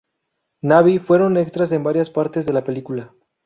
Navy fueron extras en varias partes de la película.